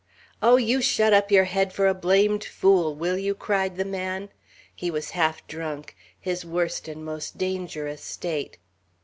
"Oh, you shut up your head for a blamed fool, will you!" cried the man. He was half drunk, his worst and most dangerous state.